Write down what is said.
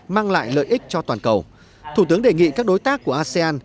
mang lại lợi ích cho toàn cầu thủ tướng đề nghị các đối tác của asean